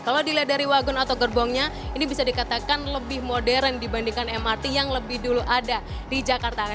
kalau dilihat dari wagun atau gerbongnya ini bisa dikatakan lebih modern dibandingkan mrt yang lebih dulu ada di jakarta